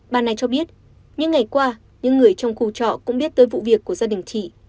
bà này cho biết những ngày qua những người trong khu trọ cũng biết tới vụ việc của gia đình chị